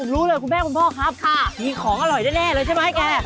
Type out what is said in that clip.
รู้เลยคุณแม่คุณพ่อครับมีของอร่อยแน่เลยใช่ไหมแก